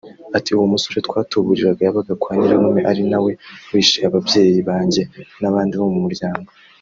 Ati “uwo musore watuburiraga yabaga kwa Nyirarume ari na we wishe ababyeyi banjye n’abandi bo mu muryango